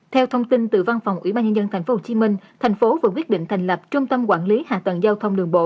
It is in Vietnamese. theo thông tin từ văn phòng ủy ban nhân dân tp hcm thành phố vừa quyết định thành lập trung tâm quản lý hạ tầng giao thông đường bộ